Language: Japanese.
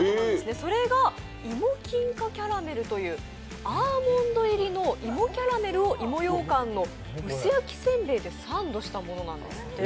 それが芋金貨キャラメルというアーモンド入り芋キャラメルを芋ようかんの薄焼き煎餅でサンドしたものなんですって。